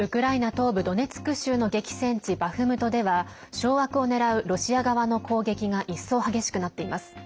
東部ドネツク州の激戦地バフムトでは掌握を狙うロシア側の攻撃が一層、激しくなっています。